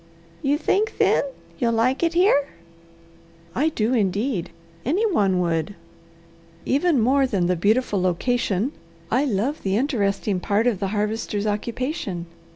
"You think, then, you'll like it here?" "I do, indeed! Any one would. Even more than the beautiful location, I love the interesting part of the Harvester's occupation.